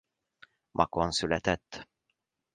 Makón született.